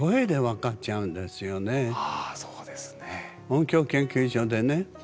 音響研究所でね